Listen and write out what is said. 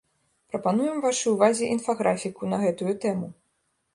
Прапануем вашай увазе інфаграфіку на гэтую тэму.